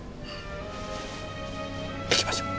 行きましょう。